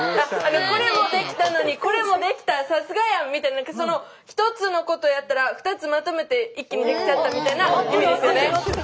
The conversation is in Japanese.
これもできたのにこれもできたさすがやんみたいな１つのことやったら２つまとめて一気にできちゃったみたいな意味ですよね？